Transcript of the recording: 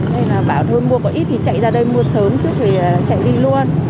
nên là bảo thôi mua có ít thì chạy ra đây mua sớm chứ thì chạy đi luôn